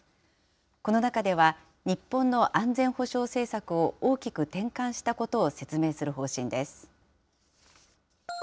この中では、日本の安全保障政策を大きく転換したことを説明する方針です。